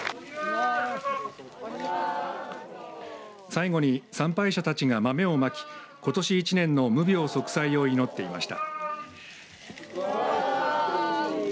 最後に参拝者たちが豆をまきことし１年の無病息災を祈っていました。